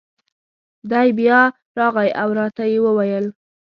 دی بیا راغی او را ته یې وویل: